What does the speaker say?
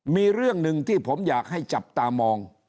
มีเรื่องหนึ่งที่ผมอยากให้จับตามอง